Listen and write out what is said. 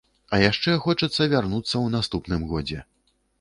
А яшчэ хочацца вярнуцца ў наступным годзе.